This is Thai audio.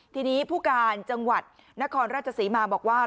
ทีนี้ผู้การจังหวัดนครราชศรีมาบอกว่า